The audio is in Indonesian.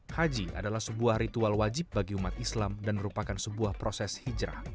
haji adalah sebuah ritual wajib bagi umat islam dan merupakan sebuah proses hijrah